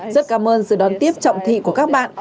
rất cảm ơn sự đón tiếp trọng thị của các bạn